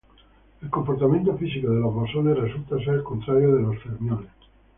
El comportamiento físico de los bosones resulta ser el contrario de los fermiones.